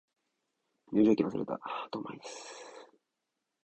入場券忘れた